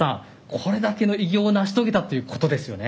これだけの偉業を成し遂げたということですよね。